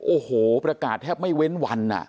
โอ้โหประกาศแทบไม่เว้นวัน